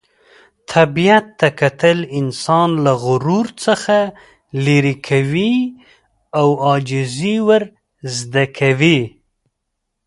طبیعت ته کتل انسان له غرور څخه لیرې کوي او عاجزي ور زده کوي.